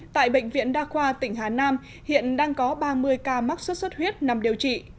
tại bệnh viện đa khoa tỉnh hà nam hiện đang có ba mươi ca mắc sốt xuất huyết nằm điều trị